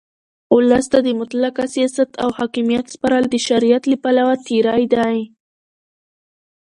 اولس ته د مطلقه سیاست او حاکمیت سپارل د شریعت له پلوه تېرى دئ.